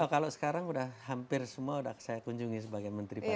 kalau sekarang sudah hampir semua sudah saya kunjungi sebagai menteri pariwisata